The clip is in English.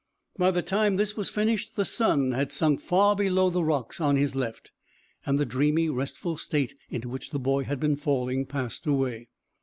By the time this was finished the sun had sunk far below the rocks on his left, and the dreamy, restful state into which the boy had been falling passed away.